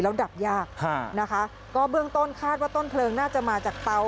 แล้วดับยากนะคะก็เบื้องต้นคาดว่าต้นเพลิงน่าจะมาจากเตา